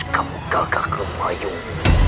kamu gagal kebayang